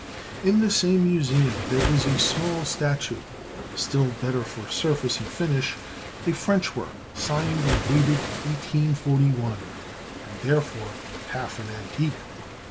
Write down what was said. In the same museum there is a smaller statue still better for surface and finish, a French work signed and dated 1841, and, therefore, half an antique.